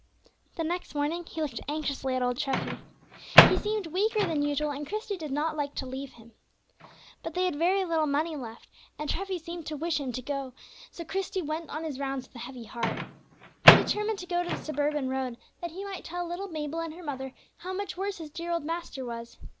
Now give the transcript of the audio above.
The next morning he looked anxiously at old Treffy. He seemed weaker than usual, and Christie did not like to leave him. But they had very little money left, and Treffy seemed to wish him to go; so Christie went on his rounds with a heavy heart. He determined to go to the suburban road, that he might tell little Mabel and her mother how much worse his dear old master was.